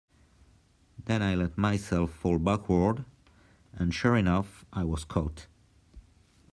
Then I let myself fall backward, and sure enough, I was caught.